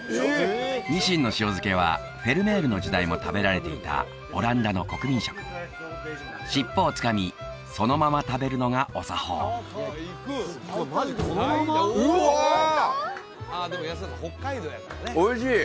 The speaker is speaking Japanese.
ニシンの塩漬けはフェルメールの時代も食べられていたオランダの国民食尻尾をつかみそのまま食べるのがお作法おいしい！